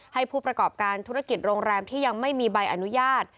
ให้ผู้ประกอบการธุรกิจโรงแรมที่ยังไม่มีใบอนุญาต